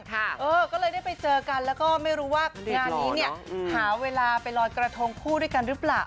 ก็เลยได้ไปเจอกันแล้วก็ไม่รู้ว่างานนี้เนี่ยหาเวลาไปลอยกระทงคู่ด้วยกันหรือเปล่า